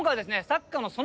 「サッカーの園」